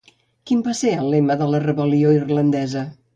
Quin va ser el lema de la Rebel·lió irlandesa?